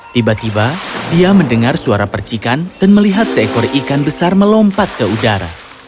tiba tiba dia mendengar suara percikan dan melihat seekor ikan besar melompat ke udara